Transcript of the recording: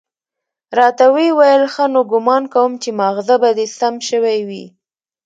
راته ويې ويل ښه نو ګومان کوم چې ماغزه به دې سم شوي وي.